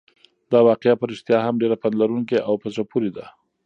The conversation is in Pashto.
دا واقعه په رښتیا هم ډېره پنده لرونکې او په زړه پورې ده.